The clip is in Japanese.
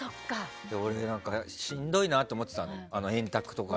俺、しんどいなと思ってたの円卓とか。